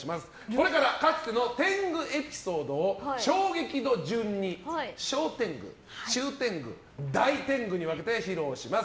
これからかつての天狗エピソードを衝撃度順に小天狗、中天狗、大天狗に分けて披露します。